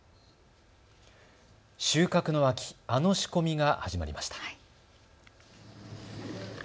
収穫の秋、あの仕込みが始まりました。